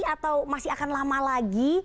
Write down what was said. atau masih akan lama lagi